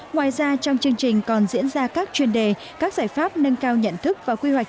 ngoài ra trong chương trình còn diễn ra các chuyên đề các giải pháp nâng cao nhận thức và quy hoạch